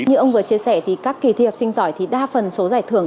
như ông vừa chia sẻ thì các kỳ thi học sinh giỏi thì đa phần số giải thưởng